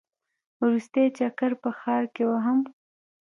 وروستی چکر په ښار کې وهم.